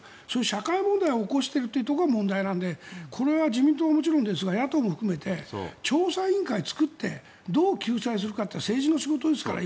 社会問題を起こしているというところが問題なのでこれは自民党はもちろんですが野党も含めて調査委員会を作ってどう救済するかって政治の仕事ですから。